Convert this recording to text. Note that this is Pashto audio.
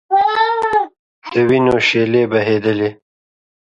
د وینو شېلې بهېدلې.